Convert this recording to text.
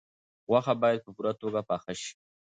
غوښه باید په پوره توګه پاخه شي.